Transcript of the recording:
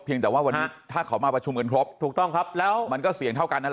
เพียงแต่ว่าวันนี้ถ้าเขามาประชุมกันครบมันก็เสี่ยงเท่ากันนั่นแหละ